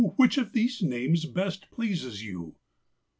Which of these names best pleases you'?